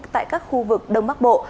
tại các khu vực đông bắc bộ